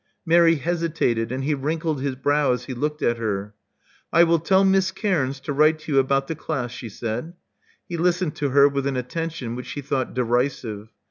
Mary hesitated; and he wrinkled his brow as he looked at her. I will tell Miss Cairns to write to you about the class," she said. He listened to her with an attention which she thought derisive.